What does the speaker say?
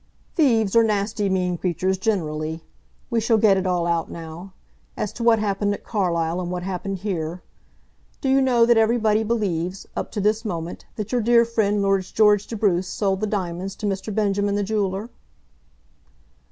"Thieves are nasty, mean creatures generally. We shall get it all out now, as to what happened at Carlisle and what happened here. Do you know that everybody believes, up to this moment, that your dear friend Lord George de Bruce sold the diamonds to Mr. Benjamin, the jeweller?"